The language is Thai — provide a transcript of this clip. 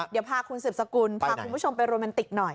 เดี๋ยวพาคุณสืบสกุลพาคุณผู้ชมไปโรแมนติกหน่อย